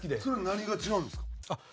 それは何が違うんですか？